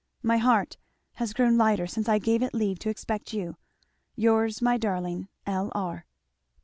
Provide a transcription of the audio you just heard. My heart has grown lighter since I gave it leave to expect you. Yours, my darling, L. R.